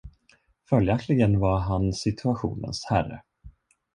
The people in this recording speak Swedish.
Följaktligen var han situationens herre.